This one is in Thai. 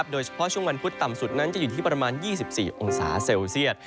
โดยเฉพาะช่วงวันพุธต่ำสุดนั้นจะอยู่ที่ประมาณ๒๔องศาเซลเซียต